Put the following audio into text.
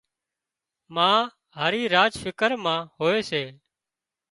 ما هارِي راچ فڪر مان هوئي سي